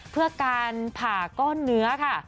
เพื่อการผ่าก้อนเนื้อค่ะ